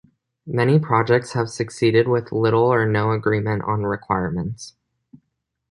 Many projects have succeeded with little or no agreement on requirements.